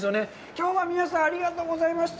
きょうは、皆さん、ありがとうございました。